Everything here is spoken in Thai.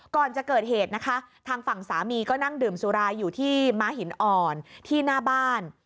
ก่อนจะเกิดเหตุนะคะทางฝั่งสามีก็นั่งดื่มสุราอยู่ที่ม้าหินอ่อนที่หน้าบ้าน